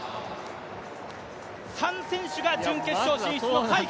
３選手が準決勝進出の快挙。